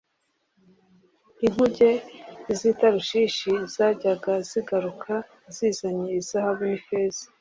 inkuge z’i Tarushishi zajyaga zigaruka zizanye izahabu n’ifeza